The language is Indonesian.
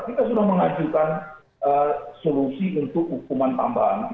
kita sudah mengajukan solusi untuk hukuman tambahan